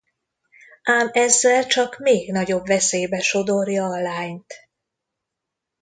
Ám ezzel csak még nagyobb veszélybe sodorja a lányt.